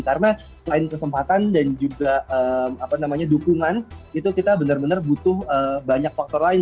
karena selain kesempatan dan juga apa namanya dukungan itu kita benar benar butuh banyak faktor lain